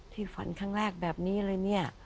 ฝันครั้งแรกแบบนี้เลยเนี่ย